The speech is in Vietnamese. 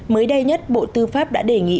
mới đây nhất bộ tư pháp đã đề nghị